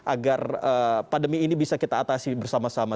agar pandemi ini bisa kita atasi bersama sama